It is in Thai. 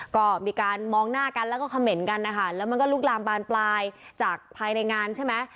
ก็มีการมองหน้ากันแล้วก็เขม่นกันนะคะแล้วมันก็ลุกลามบานปลายจากภายในงานใช่ไหม